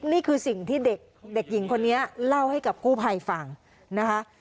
นี่คือสิ่งที่เด็กหญิงคนนี้เล่าให้กับกู้ภัยฟังนะคะ